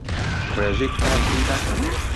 ڕێژەی کوتان تێیدا کەمە